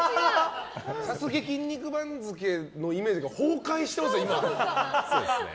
「ＳＡＳＵＫＥ」「筋肉番付」のイメージが崩壊してますよ。